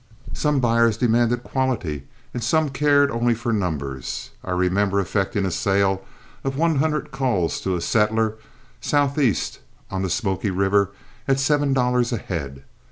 Some buyers demanded quality and some cared only for numbers. I remember effecting a sale of one hundred culls to a settler, southeast on the Smoky River, at seven dollars a head.